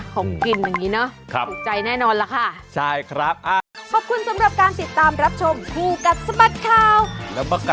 ของกินอย่างนี้เนอะถูกใจแน่นอนล่ะค่ะ